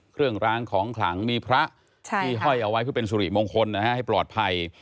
เครื่องร้างของขลังมีพระที่ห้อยเอาไว้เพื่อเป็นสุริมงคลนะฮะให้ปลอดภัย